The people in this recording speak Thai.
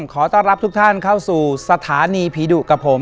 ขอต้อนรับทุกท่านเข้าสู่สถานีผีดุกับผม